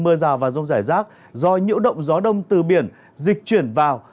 mưa rào và rông rải rác do nhiễu động gió đông từ biển dịch chuyển vào